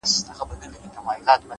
لوړ فکر د بدلون تخم شیندي،